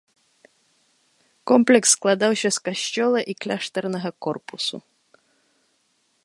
Комплекс складаўся з касцёла і кляштарнага корпуса.